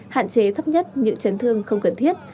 hạn chế thấp nhất những chấn thương không cần thiết